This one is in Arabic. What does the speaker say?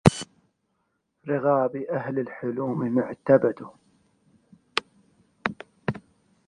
رقاب أهل الحلوم معتبده